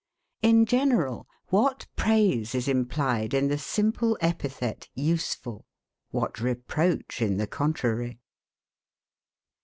In general, what praise is implied in the simple epithet USEFUL! What reproach in the contrary!